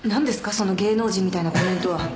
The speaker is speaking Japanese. その芸能人みたいなコメントは。